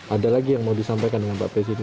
ada lagi yang mau disampaikan dengan pak presiden